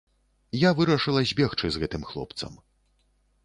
Я вырашыла збегчы з гэтым хлопцам.